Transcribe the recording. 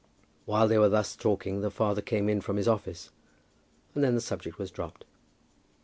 While they were thus talking the father came in from his office, and then the subject was dropped.